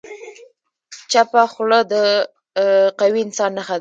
چپه خوله، د قوي انسان نښه ده.